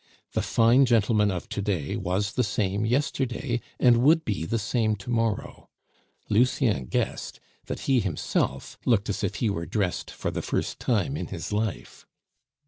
The fine gentleman of to day was the same yesterday, and would be the same to morrow. Lucien guessed that he himself looked as if he were dressed for the first time in his life.